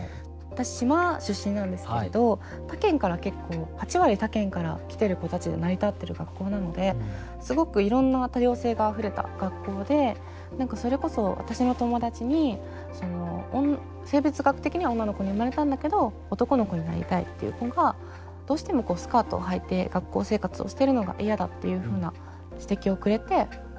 私島出身なんですけれど他県から結構８割他県から来てる子たちで成り立ってる学校なのですごくいろんな多様性があふれた学校で何かそれこそ私の友達に生物学的には女の子に生まれたんだけど男の子になりたいっていう子がどうしてもスカートをはいて学校生活をしてるのが嫌だっていうふうな指摘をくれて。